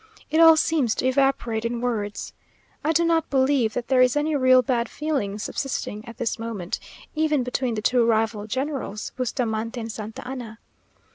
It all seems to evaporate in words. I do not believe that there is any real bad feeling subsisting at this moment, even between the two rival generals, Bustamante and Santa Anna.